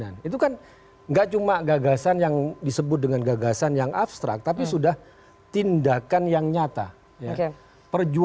apakah memang seperti itu